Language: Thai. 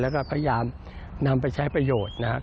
แล้วก็พยายามนำไปใช้ประโยชน์นะครับ